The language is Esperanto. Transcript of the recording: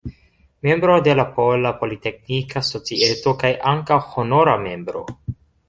Membro de la Pola Politeknika Societo kaj ankaŭ honora membro.